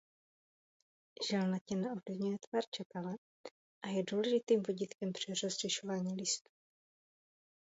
Žilnatina ovlivňuje tvar čepele a je důležitým vodítkem při rozlišování listů.